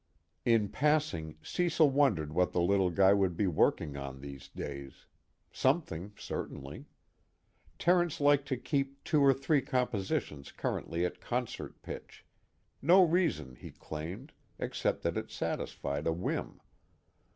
In passing Cecil wondered what the little guy would be working on these days. Something certainly; Terence liked to keep two or three compositions currently at concert pitch no reason, he claimed, except that it satisfied a whim.